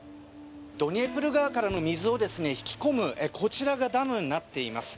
ドニエプル川からの水を引き込むこちらがダムになっています。